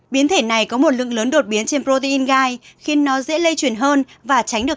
biến thể này có một lượng lớn đột biến trên protein gai khiến nó dễ lây chuyển hơn và tránh được